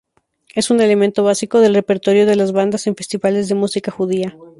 Es un elemento básico del repertorio de las bandas en festivales de música judía.